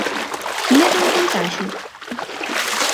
Medo ao contaxio?